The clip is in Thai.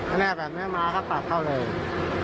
อันนี้แบบนี้มาก็ปัดเข้าเลย